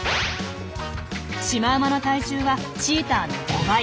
シマウマの体重はチーターの５倍。